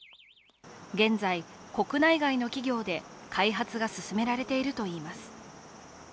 現在、国内外の企業で開発が進められているといいます。